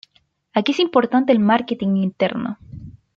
Aquí es importante el marketing interno.